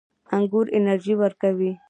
انګور انرژي ورکوي